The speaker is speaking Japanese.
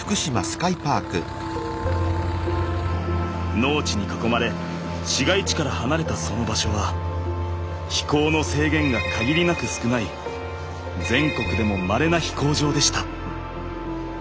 農地に囲まれ市街地から離れたその場所は飛行の制限が限りなく少ない全国でもまれな飛行場でした。